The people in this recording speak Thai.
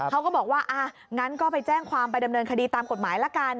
เขาก็บอกว่าอ่ะงั้นก็ไปแจ้งความไปดำเนินคดีตามกฎหมายละกัน